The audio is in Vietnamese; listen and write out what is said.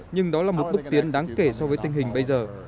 nhưng đó là một bước tiến đáng kể so với tình hình bây giờ